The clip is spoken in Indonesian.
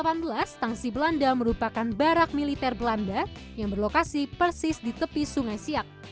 pada abad delapan belas tangsi belanda merupakan barak militer belanda yang berlokasi persis di tepi sungai siak